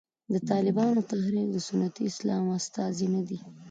د طالبانو تحریک د سنتي اسلام استازی نه دی.